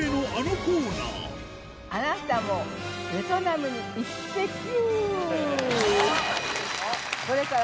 あなたもベトナムにイッテＱ！